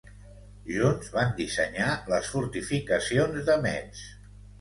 Junts, van dissenyar les fortificacions de Metz.